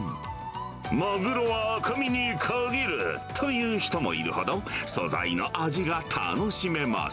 マグロは赤身に限ると言う人もいるほど、素材の味が楽しめます。